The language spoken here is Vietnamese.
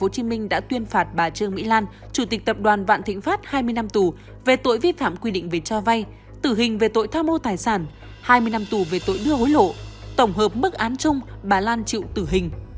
chủ tịch tập đoàn vạn thịnh pháp hai mươi năm tù về tội vi phạm quy định về cho vay tử hình về tội tham mô tài sản hai mươi năm tù về tội đưa hối lộ tổng hợp mức án chung bà lan chịu tử hình